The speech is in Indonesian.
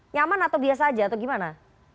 nyaman atau biasa aja atau gimana